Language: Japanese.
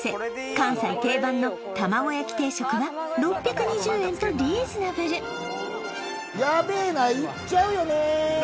関西定番の玉子焼定食は６２０円とリーズナブルやべえないっちゃうよね